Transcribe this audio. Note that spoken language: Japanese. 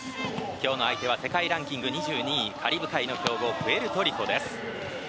今日の相手は世界ランク２２位カリブ海の強豪プエルトリコです。